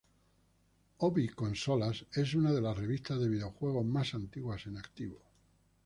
Hobby Consolas es una de las revistas de videojuegos más antiguas en activo.